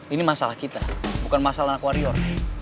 ini masalah kita bukan masalah anak warior